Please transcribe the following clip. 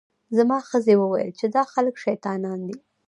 زما ښځې وویل چې دا خلک شیطانان دي.